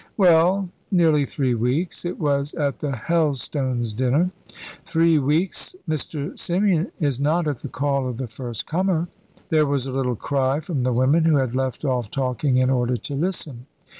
"Well, nearly three weeks. It was at the Helstones' dinner." "Three weeks. Mr. Symeon is not at the call of the first comer." There was a little cry from the women, who had left off talking in order to listen.